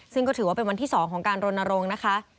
ซึ่งก็ถือว่าเป็นวันที่๒ของการรณรงค์นะคะ